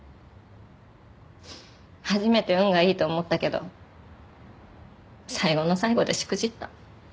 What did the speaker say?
初めて運がいいと思ったけど最後の最後でしくじった。